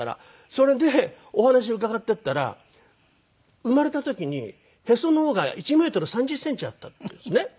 それでお話伺っていったら生まれた時にへその緒が１メートル３０センチあったっていうんですね。